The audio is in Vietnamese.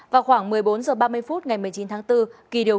vào khoảng một mươi bốn h ba mươi phút ngày một mươi chín tháng bốn